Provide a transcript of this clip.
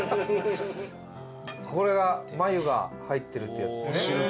これが繭が入ってるってやつですね。